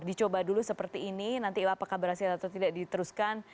dicoba dulu seperti ini nanti apakah berhasil atau tidak diteruskan